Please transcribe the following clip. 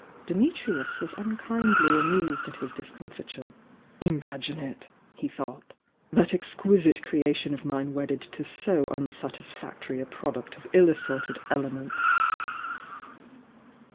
Dimitrius was unkindly amused at his discomfiture. "Imagine it!" he though tr "That exquisite crea tion of mme wedded to so unsatisfactory a product of ill assorted elements!"